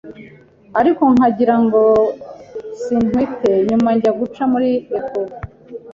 ariko nkagirango sintwite nyuma njya guca muri echo,